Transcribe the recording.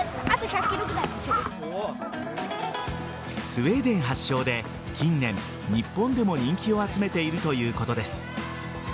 スウェーデン発祥で近年、日本でも人気を集めているということです。